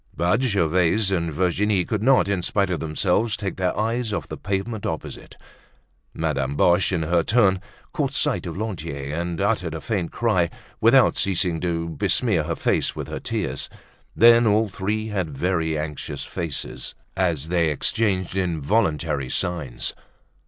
But Gervaise and Virginie could not, in spite of themselves, take their eyes off the pavement opposite. Madame Boche, in her turn, caught sight of Lantier and uttered a faint cry without ceasing to besmear her face with her tears. Then all three had very anxious faces as they exchanged involuntary signs.